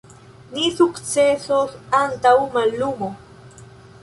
Ni sukcesos antaŭ mallumo.